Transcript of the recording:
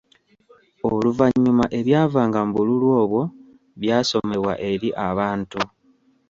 Oluvannyuma ebyavanga mu bululu obwo byasomebwa eri abantu.